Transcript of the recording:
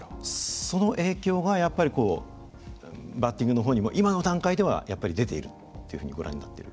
その影響がやっぱりこうバッティングの方にも今の段階ではやっぱり出ているというふうにご覧になっている？